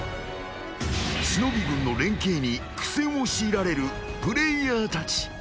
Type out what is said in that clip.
［忍軍の連携に苦戦を強いられるプレイヤーたち］